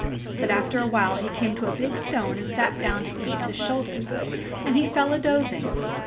But after a while he came to a big stone and sat down to ease his shoulders. And he fell a dozing.